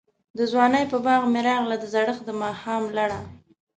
دځوانۍپه باغ می راغله، دزړښت دماښام لړه